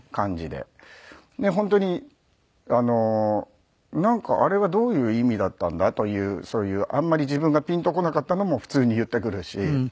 本当に「なんかあれはどういう意味だったんだ？」というそういうあんまり自分がピンと来なかったのも普通に言ってくるし。